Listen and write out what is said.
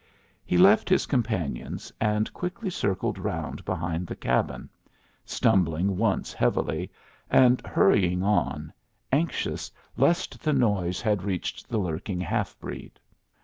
He left his companions, and quickly circled round behind the cabin, stumbling once heavily, and hurrying on, anxious lest the noise had reached the lurking half breed.